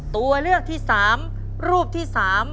ตัวเลือกที่๓รูปที่๓